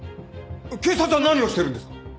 警察は何をしてるんですか？